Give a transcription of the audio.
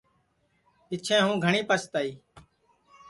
پِچھیں ہُوں گھٹؔی پستائی